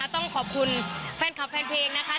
ต้องขอบคุณแฟนคลับแฟนเพลงนะคะ